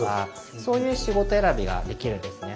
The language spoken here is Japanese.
そういう仕事選びができるんですね。